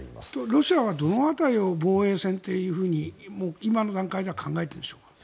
ロシアはどの辺りを防衛線というふうに今の段階では考えているんでしょう？